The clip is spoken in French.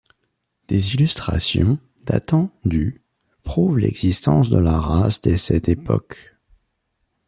Des illustrations datant du prouvent l'existence de la race dès cette époque.